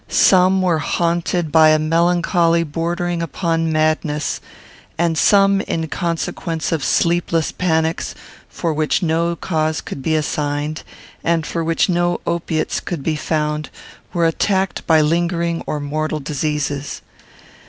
Some were haunted by a melancholy bordering upon madness, and some, in consequence of sleepless panics, for which no cause could be assigned, and for which no opiates could be found, were attacked by lingering or mortal diseases.